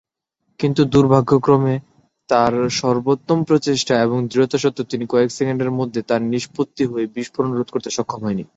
কিন্তু দুর্ভাগ্যক্রমে, তার সর্বোত্তম প্রচেষ্টা এবং দৃঢ়তা সত্ত্বেও, তিনি কয়েক সেকেন্ডের মধ্যে, তাঁর নিষ্পত্তি হয়ে বিস্ফোরণ রোধ করতে সক্ষম হননি।